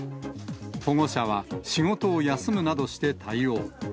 保護者は仕事を休むなどして、対応。